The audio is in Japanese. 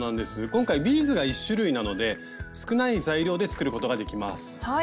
今回ビーズが１種類なので少ない材料で作ることができます。